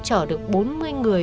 chở được bốn mươi người